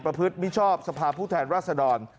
ประพฤติมิชอบสภาพผู้แทนราษฎร